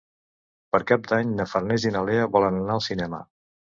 Per Cap d'Any na Farners i na Lea volen anar al cinema.